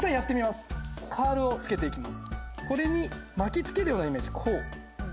これに巻き付けるようなイメージこう。